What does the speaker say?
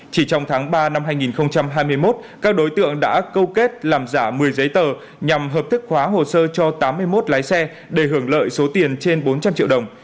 chỉ trong tháng ba năm hai nghìn hai mươi một các đối tượng đã câu kết làm giả một mươi giấy tờ nhằm hợp thức hóa hồ sơ cho tám mươi một lái xe để hưởng lợi số tiền trên bốn trăm linh triệu đồng